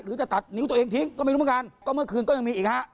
จะตัดนิ้วตัวเองทิ้งก็ไม่รู้เหมือนกันก็เมื่อคืนก็ยังมีอีกฮะ